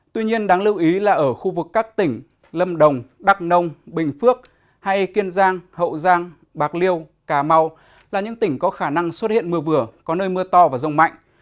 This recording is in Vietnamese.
tuy nhiên đáng lưu ý là ở khu vực các tỉnh lâm đồng đắk nông bình phước hai kiên giang hậu giang bạc liêu cà mau là những tỉnh có khả năng xuất hiện mưa vừa có nơi mưa to và rông mạnh